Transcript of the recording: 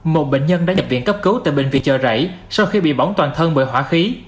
một bệnh nhân đã nhập viện cấp cứu tại bệnh viện chợ rẫy sau khi bị bỏng toàn thân bởi hỏa khí